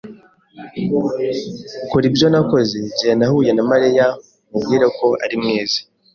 Kora ibyo nakoze igihe nahura na Mariya. Mubwire ko ari mwiza.